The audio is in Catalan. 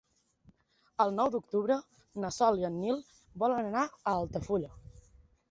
El nou d'octubre na Sol i en Nil volen anar a Altafulla.